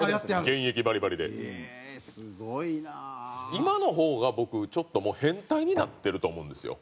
今の方が僕ちょっともう変態になってると思うんですよ。